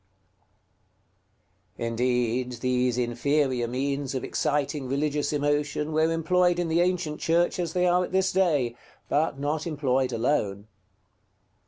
§ XXI. Indeed, these inferior means of exciting religious emotion were employed in the ancient Church as they are at this day, but not employed alone.